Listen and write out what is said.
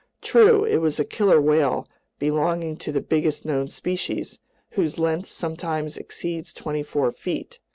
True, it was a killer whale, belonging to the biggest known species, whose length sometimes exceeds twenty four feet.